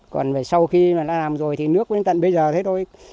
còn sau khi mà đã làm rồi thì nước đến tận bây giờ thế thôi